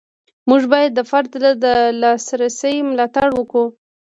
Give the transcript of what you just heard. موږ باید د فرد د لاسرسي ملاتړ وکړو.